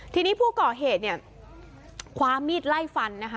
ทีนี้ผู้ก่อเหตุคว้ามีดไล่ฟัน